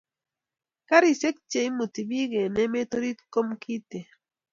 Karishek che imuti pik en emet orit komkiten